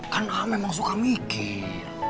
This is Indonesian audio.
kan ah memang suka mikir